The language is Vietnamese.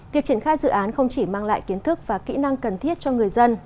việc triển khai dự án không chỉ mang lại kiến thức và kỹ năng cần thiết cho người dân